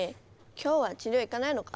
今日は治療行かないのか？